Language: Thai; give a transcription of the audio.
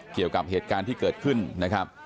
เกี่ยวกับเหตุการณ์ที่เกิดขึ้นนะครับ